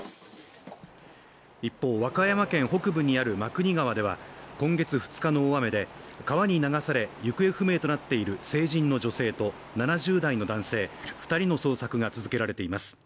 一方和歌山県北部にある真国川では今月２日の大雨で川に流され行方不明となっている成人の女性と７０代の男性２人の捜索が続けられています。